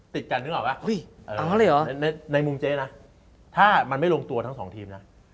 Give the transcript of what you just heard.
ติดกันนึกออกป่ะในมุมเจ๊นะถ้ามันไม่ลงตัวทั้งสองทีมนะ